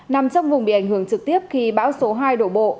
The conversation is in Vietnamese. nằm trong vùng bị ảnh hưởng trực tiếp khi bão số hai đổ bộ